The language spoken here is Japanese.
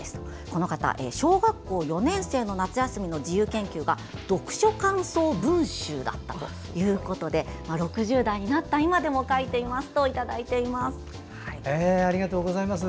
この方小学校４年生の夏休みの自由研究が読書感想文集だったそうで６０代になった今でも書いていますといただいています。